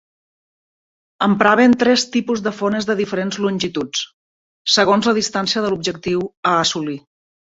Empraven tres tipus de fones de diferents longituds, segons la distància de l'objectiu a assolir.